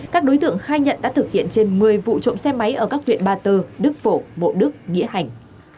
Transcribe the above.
các đối tượng khai nhận đã thực hiện trên một mươi vụ trộm xe máy ở các huyện ba tơ đức phổ bộ đức nghĩa hành